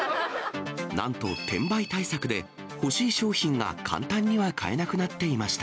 なんと転売対策で、欲しい商品が簡単には買えなくなっていました。